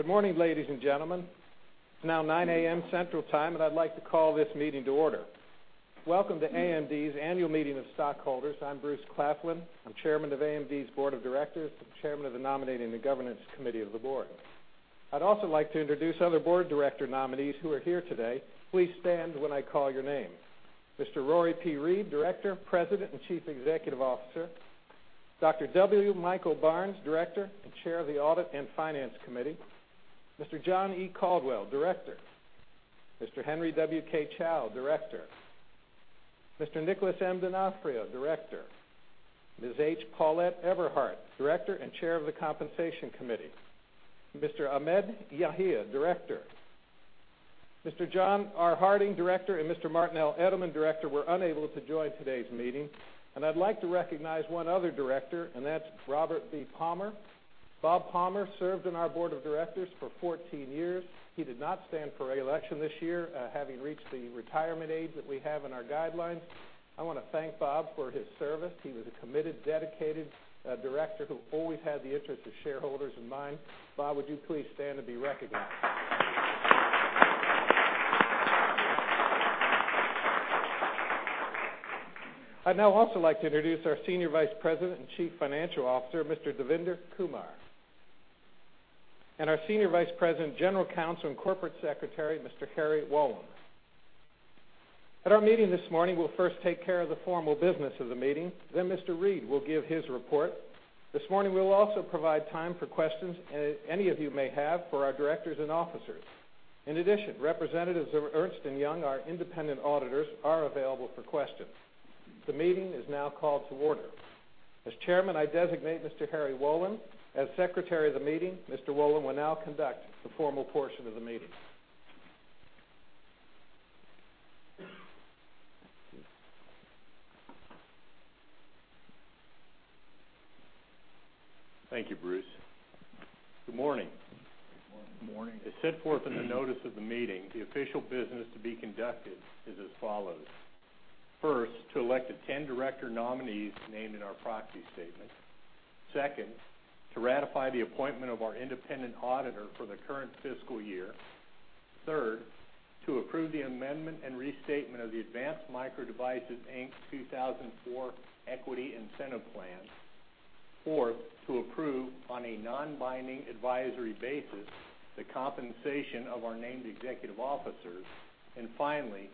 Good morning, ladies and gentlemen. It's now 9:00 A.M. Central Time. I'd like to call this meeting to order. Welcome to AMD's annual meeting of stockholders. I'm Bruce Claflin. I'm Chairman of AMD's Board of Directors and Chairman of the Nominating and Governance Committee of the board. I'd also like to introduce other board director nominees who are here today. Please stand when I call your name. Mr. Rory P. Read, Director, President, and Chief Executive Officer. Dr. W. Michael Barnes, Director and Chair of the Audit and Finance Committee. Mr. John E. Caldwell, Director. Mr. Henry W.K. Chow, Director. Mr. Nicholas M. Donofrio, Director. Ms. H. Paulett Eberhart, Director and Chair of the Compensation Committee. Mr. Ahmed Yahia, Director. Mr. John R. Harding, Director, and Mr. Martin L. Edelman, Director, were unable to join today's meeting. I'd like to recognize one other director, and that's Robert B. Palmer. Bob Palmer served on our board of directors for 14 years. He did not stand for re-election this year, having reached the retirement age that we have in our guidelines. I want to thank Bob for his service. He was a committed, dedicated director who always had the interest of shareholders in mind. Bob, would you please stand and be recognized? I'd now also like to introduce our Senior Vice President and Chief Financial Officer, Mr. Devinder Kumar, and our Senior Vice President, General Counsel, and Corporate Secretary, Mr. Harry Wolin. At our meeting this morning, we'll first take care of the formal business of the meeting. Mr. Read will give his report. This morning, we'll also provide time for questions any of you may have for our directors and officers. In addition, representatives of Ernst & Young, our independent auditors, are available for questions. The meeting is now called to order. As chairman, I designate Mr. Harry Wolin as secretary of the meeting. Mr. Wolin will now conduct the formal portion of the meeting. Thank you, Bruce. Good morning. Good morning. As set forth in the notice of the meeting, the official business to be conducted is as follows. First, to elect the 10 director nominees named in our proxy statement. Second, to ratify the appointment of our independent auditor for the current fiscal year. Third, to approve the amendment and restatement of the Advanced Micro Devices, Inc. 2004 Equity Incentive Plan. Fourth, to approve on a non-binding advisory basis the compensation of our named executive officers. Finally,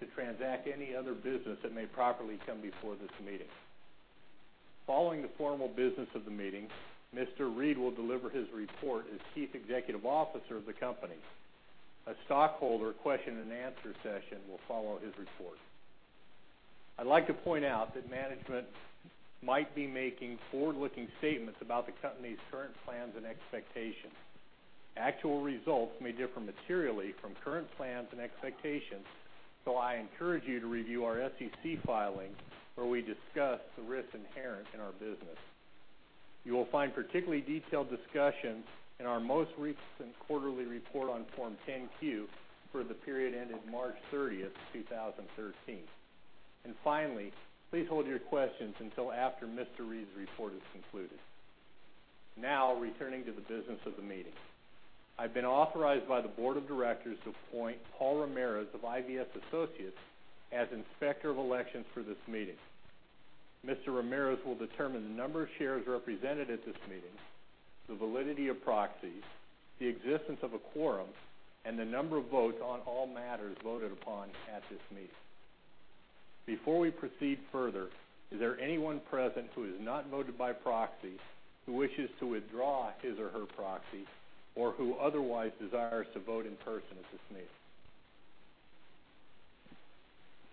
to transact any other business that may properly come before this meeting. Following the formal business of the meeting, Mr. Read will deliver his report as Chief Executive Officer of the company. A stockholder question and answer session will follow his report. I'd like to point out that management might be making forward-looking statements about the company's current plans and expectations. Actual results may differ materially from current plans and expectations, I encourage you to review our SEC filings, where we discuss the risks inherent in our business. You will find particularly detailed discussions in our most recent quarterly report on Form 10-Q for the period ending March 30th, 2013. Finally, please hold your questions until after Mr. Read's report is concluded. Now, returning to the business of the meeting. I've been authorized by the board of directors to appoint Paul Ramirez of IVS Associates as Inspector of Elections for this meeting. Mr. Ramirez will determine the number of shares represented at this meeting, the validity of proxies, the existence of a quorum, and the number of votes on all matters voted upon at this meeting. Before we proceed further, is there anyone present who has not voted by proxy, who wishes to withdraw his or her proxy, or who otherwise desires to vote in person at this meeting?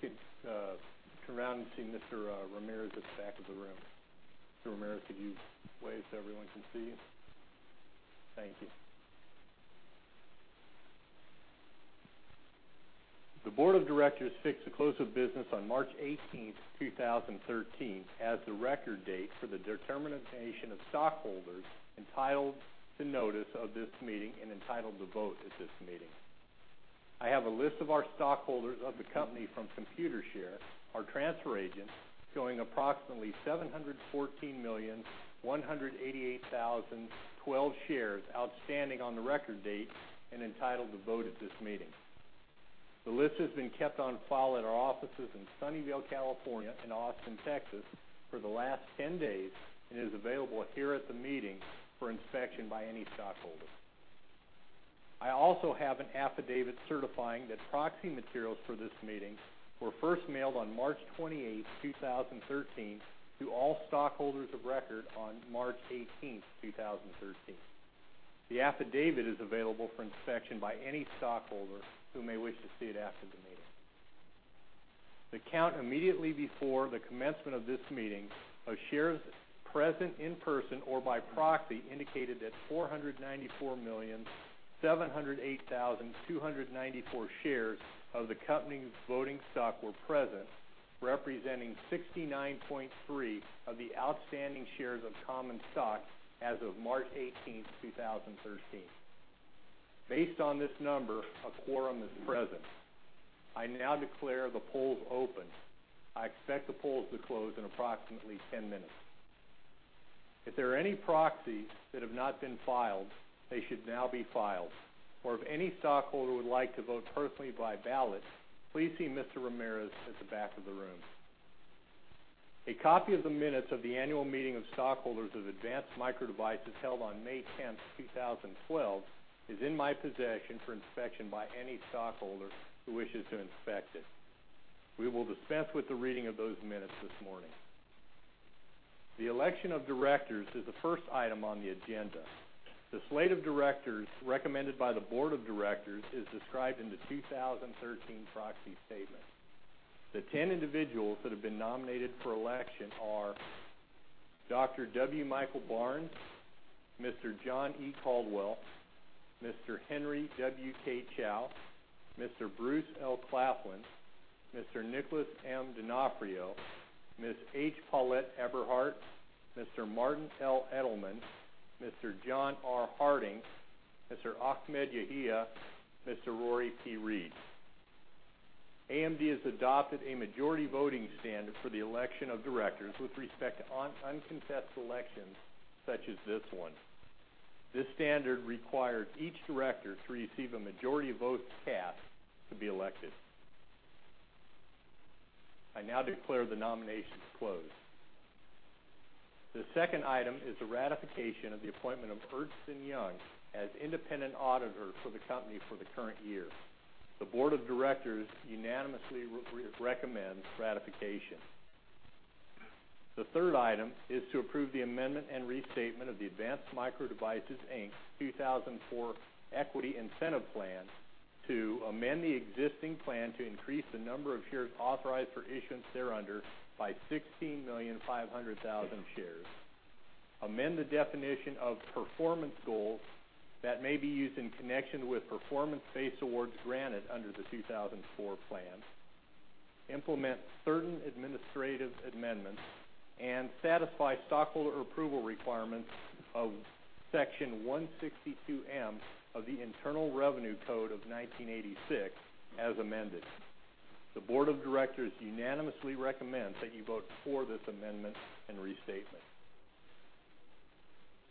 Okay. Turn around and see Mr. Ramirez at the back of the room. Mr. Ramirez, could you wave so everyone can see you? Thank you. The board of directors fixed the close of business on March 18th, 2013, as the record date for the determination of stockholders entitled to notice of this meeting and entitled to vote at this meeting. I have a list of our stockholders of the company from Computershare, our transfer agent, showing approximately 714,188,012 shares outstanding on the record date and entitled to vote at this meeting. The list has been kept on file at our offices in Sunnyvale, California, and Austin, Texas, for the last 10 days and is available here at the meeting for inspection by any stockholder. I also have an affidavit certifying that proxy materials for this meeting were first mailed on March 28th, 2013, to all stockholders of record on March 18th, 2013. The affidavit is available for inspection by any stockholder who may wish to see it after the meeting. The count immediately before the commencement of this meeting of shares present in person or by proxy indicated that 494,708,294 shares of the company's voting stock were present, representing 69.3% of the outstanding shares of common stock as of March 18th, 2013. Based on this number, a quorum is present. I now declare the polls open. I expect the polls to close in approximately 10 minutes. If there are any proxies that have not been filed, they should now be filed. If any stockholder would like to vote personally by ballot, please see Mr. Ramirez at the back of the room. A copy of the minutes of the annual meeting of stockholders of Advanced Micro Devices held on May 10th, 2012, is in my possession for inspection by any stockholder who wishes to inspect it. We will dispense with the reading of those minutes this morning. The election of directors is the first item on the agenda. The slate of directors recommended by the board of directors is described in the 2013 proxy statement. The 10 individuals that have been nominated for election are Dr. W. Michael Barnes, Mr. John E. Caldwell, Mr. Henry W. K. Chow, Mr. Bruce L. Claflin, Mr. Nicholas M. D'Onofrio, Ms. H. Paulett Eberhart, Mr. Martin L. Edelman, Mr. John R. Harding, Mr. Ahmed Yahia, Mr. Rory P. Read. AMD has adopted a majority voting standard for the election of directors with respect to uncontested elections such as this one. This standard requires each director to receive a majority of votes cast to be elected. I now declare the nominations closed. The second item is the ratification of the appointment of Ernst & Young as independent auditors for the company for the current year. The board of directors unanimously recommends ratification. The third item is to approve the amendment and restatement of the Advanced Micro Devices, Inc. 2004 Equity Incentive Plan to amend the existing plan to increase the number of shares authorized for issuance thereunder by 16,500,000 shares, amend the definition of performance goals that may be used in connection with performance-based awards granted under the 2004 plan, implement certain administrative amendments, and satisfy stockholder approval requirements of Section 162 of the Internal Revenue Code of 1986, as amended. The board of directors unanimously recommends that you vote for this amendment and restatement.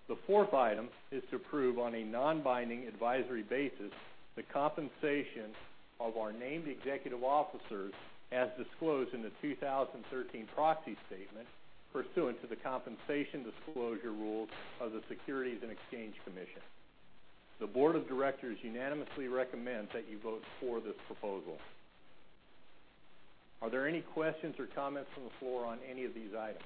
The fourth item is to approve on a non-binding advisory basis the compensation of our named executive officers as disclosed in the 2013 proxy statement pursuant to the compensation disclosure rules of the Securities and Exchange Commission. The board of directors unanimously recommends that you vote for this proposal. Are there any questions or comments from the floor on any of these items?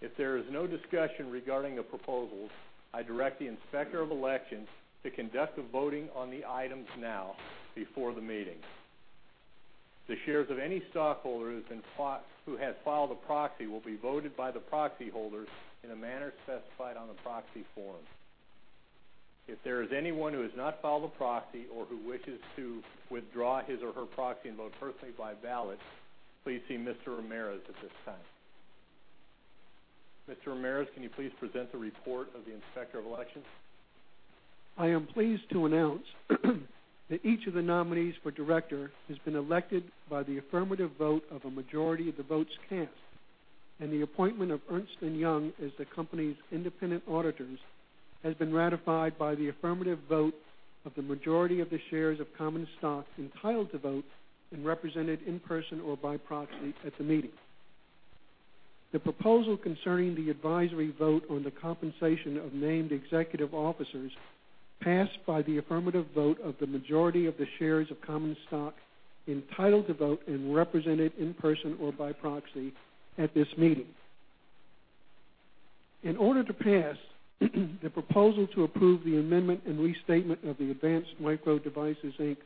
If there is no discussion regarding the proposals, I direct the Inspector of Elections to conduct the voting on the items now before the meeting. The shares of any stockholder who has filed a proxy will be voted by the proxy holders in a manner specified on the proxy form. If there is anyone who has not filed a proxy or who wishes to withdraw his or her proxy and vote personally by ballot, please see Mr. Ramirez at this time. Mr. Ramirez, can you please present the report of the Inspector of Elections? I am pleased to announce that each of the nominees for director has been elected by the affirmative vote of a majority of the votes cast, the appointment of Ernst & Young as the company's independent auditors has been ratified by the affirmative vote of the majority of the shares of common stock entitled to vote and represented in person or by proxy at the meeting. The proposal concerning the advisory vote on the compensation of named executive officers passed by the affirmative vote of the majority of the shares of common stock entitled to vote and represented in person or by proxy at this meeting. In order to pass, the proposal to approve the amendment and restatement of the Advanced Micro Devices Inc.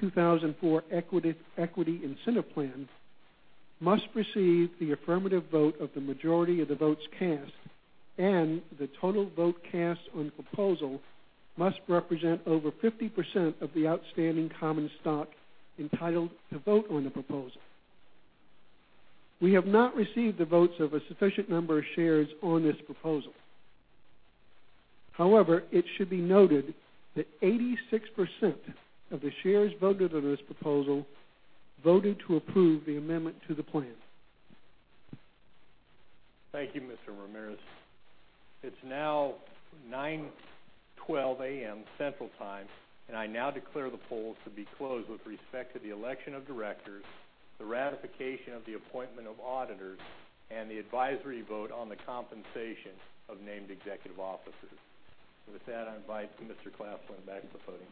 2004 Equity Incentive Plan must receive the affirmative vote of the majority of the votes cast, the total vote cast on the proposal must represent over 50% of the outstanding common stock entitled to vote on the proposal. We have not received the votes of a sufficient number of shares on this proposal. However, it should be noted that 86% of the shares voted on this proposal voted to approve the amendment to the plan. Thank you, Mr. Ramirez. It's now 9:12 A.M. Central Time, I now declare the polls to be closed with respect to the election of directors, the ratification of the appointment of auditors, and the advisory vote on the compensation of named executive officers. With that, I invite Mr. Claflin back to the podium.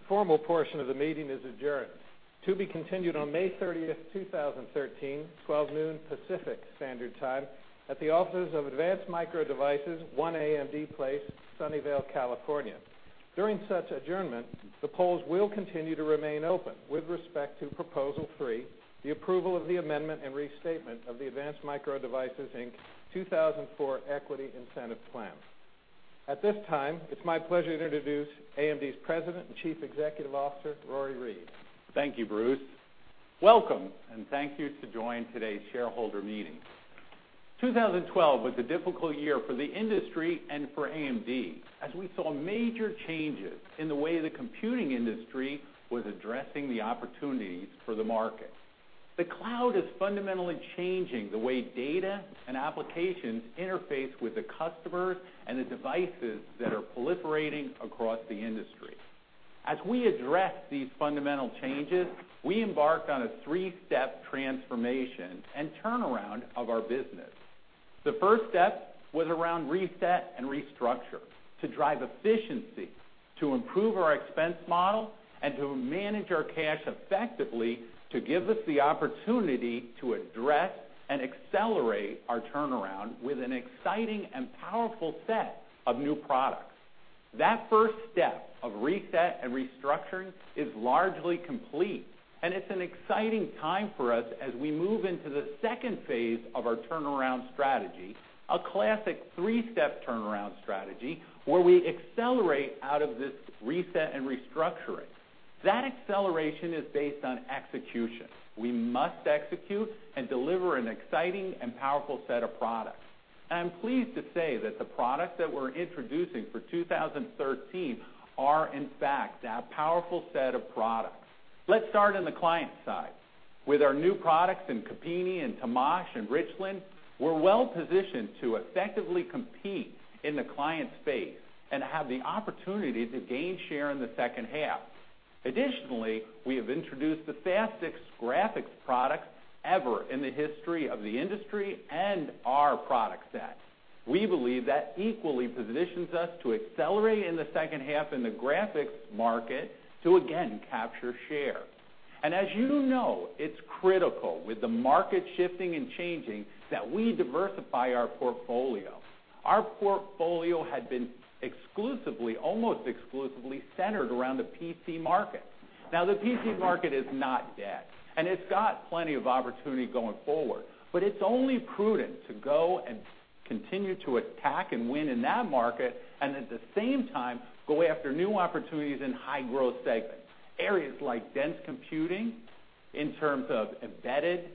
The formal portion of the meeting is adjourned, to be continued on May 30th, 2013, 12 noon Pacific Standard Time at the offices of Advanced Micro Devices, 1 AMD Place, Sunnyvale, California. During such adjournment, the polls will continue to remain open with respect to Proposal 3, the approval of the amendment and restatement of the Advanced Micro Devices, Inc. 2004 Equity Incentive Plan. At this time, it's my pleasure to introduce AMD's President and Chief Executive Officer, Rory Read. Thank you, Bruce. Welcome, and thank you to join today's shareholder meeting. 2012 was a difficult year for the industry and for AMD, as we saw major changes in the way the computing industry was addressing the opportunities for the market. The cloud is fundamentally changing the way data and applications interface with the customers and the devices that are proliferating across the industry. As we address these fundamental changes, we embarked on a 3-step transformation and turnaround of our business. The first step was around reset and restructure, to drive efficiency, to improve our expense model, and to manage our cash effectively to give us the opportunity to address and accelerate our turnaround with an exciting and powerful set of new products. That first step of reset and restructuring is largely complete, and it's an exciting time for us as we move into the second phase of our turnaround strategy, a classic 3-step turnaround strategy, where we accelerate out of this reset and restructuring. That acceleration is based on execution. We must execute and deliver an exciting and powerful set of products. I'm pleased to say that the products that we're introducing for 2013 are in fact that powerful set of products. Let's start on the client side. With our new products in Kabini and Temash and Richland, we're well-positioned to effectively compete in the client space and have the opportunity to gain share in the second half. Additionally, we have introduced the fastest graphics product ever in the history of the industry and our product set. We believe that equally positions us to accelerate in the second half in the graphics market to again capture share. As you know, it's critical with the market shifting and changing that we diversify our portfolio. Our portfolio had been almost exclusively centered around the PC market. Now, the PC market is not dead, and it's got plenty of opportunity going forward, but it's only prudent to go and continue to attack and win in that market and at the same time, go after new opportunities in high-growth segments. Areas like dense computing in terms of embedded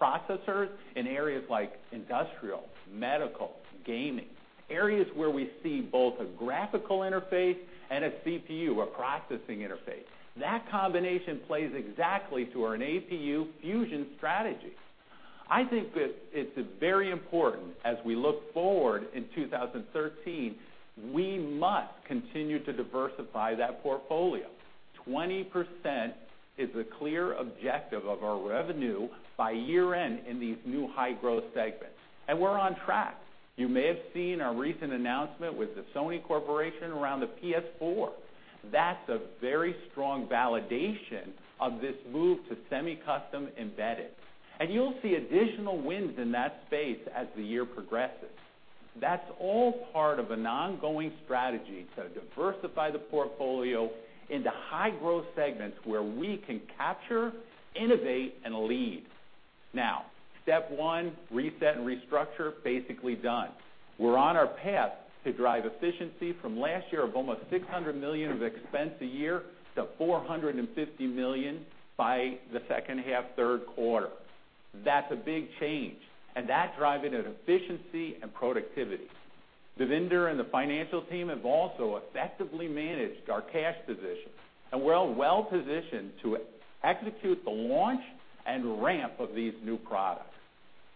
processors in areas like industrial, medical, gaming. Areas where we see both a graphical interface and a CPU, a processing interface. That combination plays exactly to our APU fusion strategy. I think that it's very important as we look forward in 2013, we must continue to diversify that portfolio. 20% is the clear objective of our revenue by year-end in these new high-growth segments, and we're on track. You may have seen our recent announcement with the Sony Corporation around the PS4. That's a very strong validation of this move to semi-custom embedded. You'll see additional wins in that space as the year progresses. That's all part of an ongoing strategy to diversify the portfolio into high-growth segments where we can capture, innovate, and lead. Now, step one, reset and restructure, basically done. We're on our path to drive efficiency from last year of almost $600 million of expense a year to $450 million by the second half, third quarter. That's a big change, and that's driving an efficiency and productivity. Devinder and the financial team have also effectively managed our cash position, and we're well-positioned to execute the launch and ramp of these new products.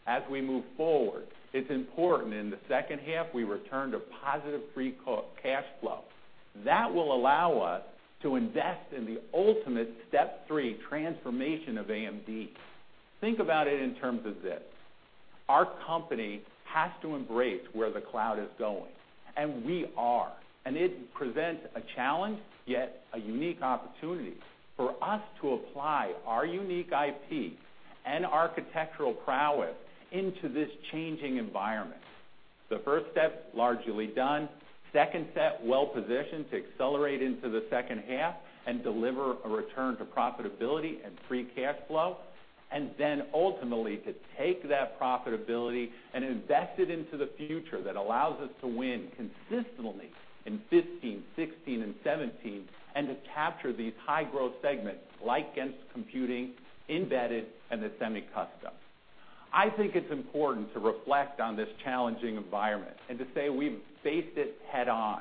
As we move forward, it's important in the second half we return to positive free cash flow. That will allow us to invest in the ultimate step 3 transformation of AMD. Think about it in terms of this. Our company has to embrace where the cloud is going, and we are. It presents a challenge, yet a unique opportunity for us to apply our unique IP and architectural prowess into this changing environment. The first step, largely done. Second step, well-positioned to accelerate into the second half and deliver a return to profitability and free cash flow, and then ultimately to take that profitability and invest it into the future that allows us to win consistently in 2015, 2016, and 2017, and to capture these high-growth segments like dense computing, embedded, and the semi-custom. I think it's important to reflect on this challenging environment and to say we've faced it head on.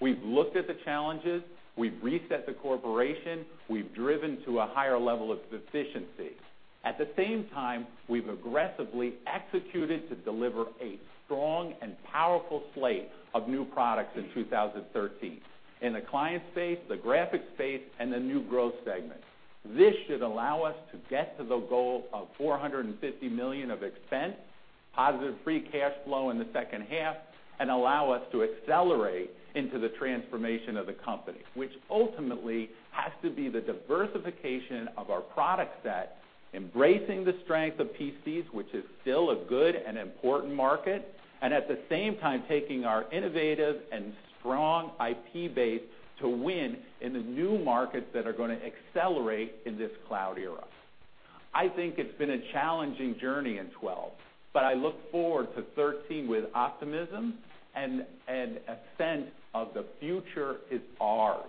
We've looked at the challenges, we've reset the corporation, we've driven to a higher level of efficiency. At the same time, we've aggressively executed to deliver a strong and powerful slate of new products in 2013 in the client space, the graphic space, and the new growth segment. This should allow us to get to the goal of $450 million of expense, positive free cash flow in the second half, and allow us to accelerate into the transformation of the company, which ultimately has to be the diversification of our product set, embracing the strength of PCs, which is still a good and important market, and at the same time, taking our innovative and strong IP base to win in the new markets that are going to accelerate in this cloud era. I think it's been a challenging journey in 2012, but I look forward to 2013 with optimism and a sense of the future is ours.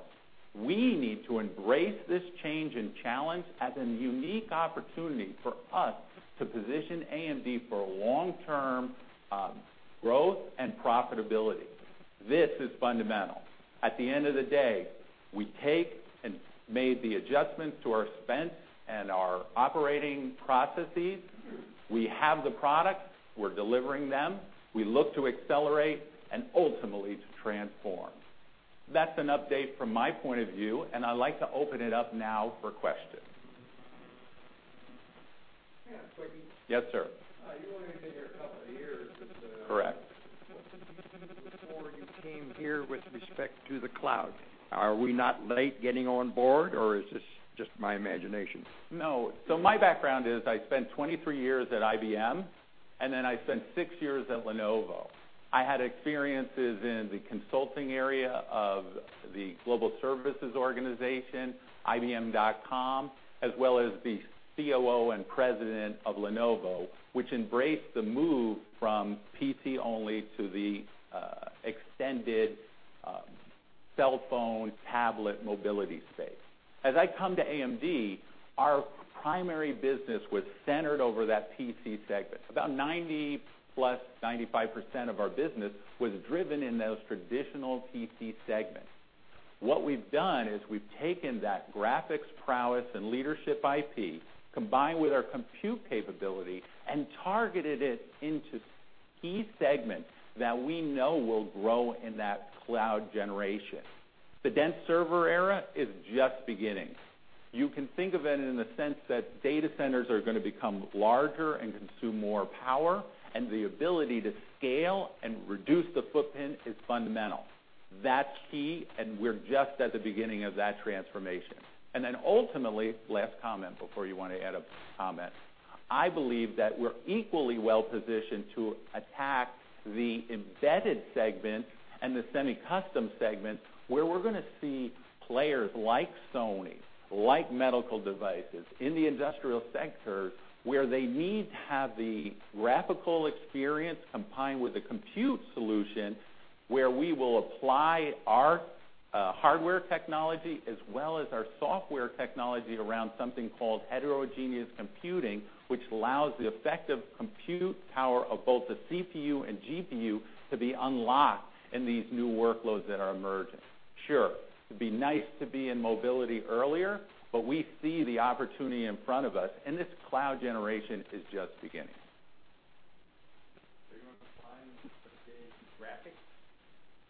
We need to embrace this change in challenge as a unique opportunity for us to position AMD for long-term growth and profitability. This is fundamental. At the end of the day, we take and made the adjustments to our spend and our operating processes. We have the products, we're delivering them, we look to accelerate and ultimately to transform. That's an update from my point of view, and I'd like to open it up now for questions. Yeah, quickie. Yes, sir. You've only been here a couple of years. Correct before you came here with respect to the cloud. Are we not late getting on board, or is this just my imagination? No. My background is I spent 23 years at IBM, then I spent six years at Lenovo. I had experiences in the consulting area of the global services organization, IBM, as well as the COO and president of Lenovo, which embraced the move from PC only to the extended cellphone, tablet, mobility space. I come to AMD, our primary business was centered over that PC segment. About 90-plus, 95% of our business was driven in those traditional PC segments. What we've done is we've taken that graphics prowess and leadership IP, combined with our compute capability, and targeted it into key segments that we know will grow in that cloud generation. The dense server era is just beginning. You can think of it in the sense that data centers are going to become larger and consume more power. The ability to scale and reduce the footprint is fundamental. That's key. We're just at the beginning of that transformation. Ultimately, last comment before you want to add a comment, I believe that we're equally well-positioned to attack the embedded segment and the semi-custom segment, where we're going to see players like Sony, like medical devices in the industrial sector, where they need to have the graphical experience combined with a compute solution, where we will apply our hardware technology as well as our software technology around something called heterogeneous computing, which allows the effective compute power of both the CPU and GPU to be unlocked in these new workloads that are emerging. Sure, it'd be nice to be in mobility earlier. We see the opportunity in front of us. This cloud generation is just beginning.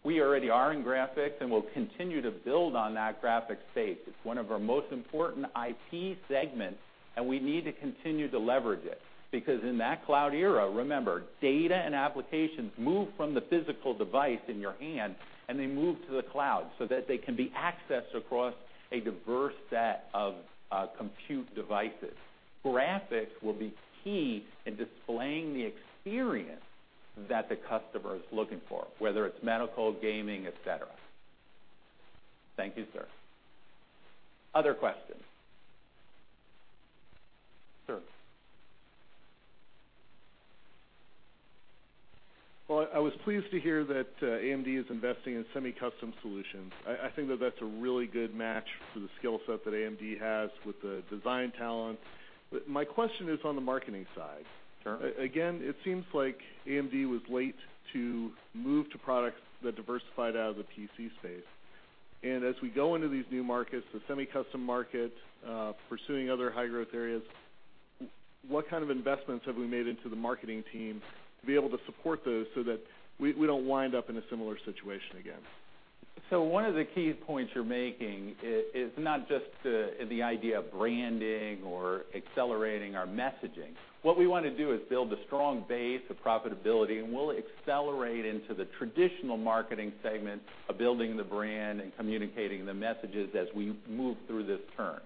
Are you going to apply some of the graphics? We already are in graphics, We'll continue to build on that graphics space. It's one of our most important IP segments, We need to continue to leverage it. Because in that cloud era, remember, data and applications move from the physical device in your hand, They move to the cloud so that they can be accessed across a diverse set of compute devices. Graphics will be key in displaying the experience that the customer is looking for, whether it's medical, gaming, et cetera. Thank you, sir. Other questions. Sir. I was pleased to hear that AMD is investing in semi-custom solutions. I think that that's a really good match for the skill set that AMD has with the design talent. My question is on the marketing side. Sure. It seems like AMD was late to move to products that diversified out of the PC space. As we go into these new markets, the semi-custom market, pursuing other high-growth areas, what kind of investments have we made into the marketing team to be able to support those so that we don't wind up in a similar situation again? One of the key points you're making is not just the idea of branding or accelerating our messaging. What we want to do is build a strong base of profitability, We'll accelerate into the traditional marketing segment of building the brand and communicating the messages as we move through this turn.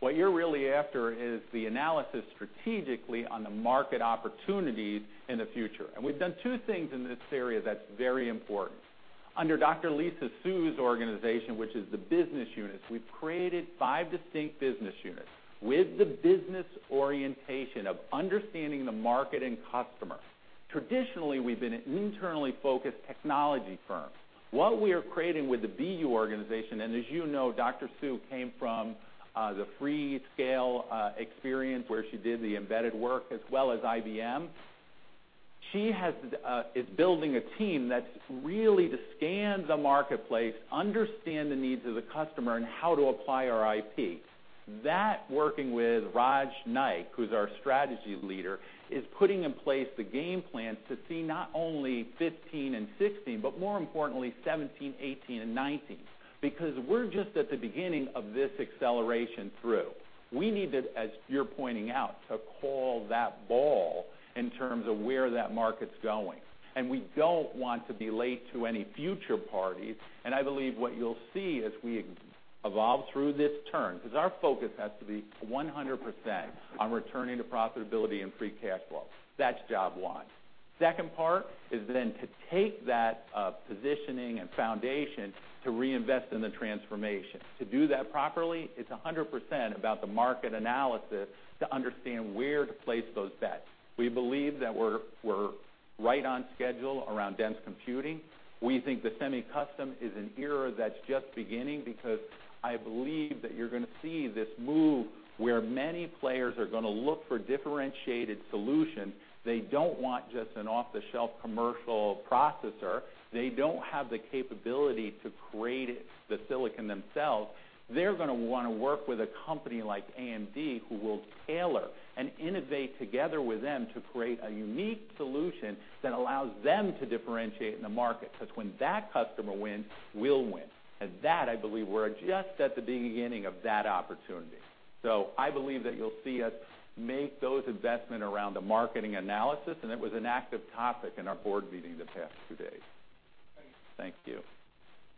What you're really after is the analysis strategically on the market opportunities in the future. We've done two things in this area that's very important. Under Dr. Lisa Su's organization, which is the business units, we've created five distinct business units with the business orientation of understanding the market and customer. Traditionally, we've been an internally focused technology firm. What we are creating with the BU organization, As you know, Dr. Su came from the Freescale experience where she did the embedded work as well as IBM. She is building a team that's really to scan the marketplace, understand the needs of the customer, and how to apply our IP. That, working with Raj Naik, who's our strategy leader, is putting in place the game plan to see not only 2015 and 2016, but more importantly, 2017, 2018, and 2019. We're just at the beginning of this acceleration through. We need to, as you're pointing out, to call that ball in terms of where that market's going. We don't want to be late to any future parties. I believe what you'll see as we evolve through this turn, because our focus has to be 100% on returning to profitability and free cash flow. That's job one. Second part is then to take that positioning and foundation to reinvest in the transformation. To do that properly, it's 100% about the market analysis to understand where to place those bets. We believe that we're right on schedule around dense computing. We think the semi-custom is an era that's just beginning because I believe that you're going to see this move where many players are going to look for differentiated solutions. They don't want just an off-the-shelf commercial processor. They don't have the capability to create the silicon themselves. They're going to want to work with a company like AMD who will tailor and innovate together with them to create a unique solution that allows them to differentiate in the market, because when that customer wins, we'll win. That, I believe we're just at the beginning of that opportunity. I believe that you'll see us make those investment around the marketing analysis, and it was an active topic in our board meeting the past few days. Thanks. Thank you.